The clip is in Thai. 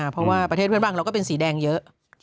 เพราะว่าประเทศเพื่อนบ้านเราก็เป็นสีแดงเยอะ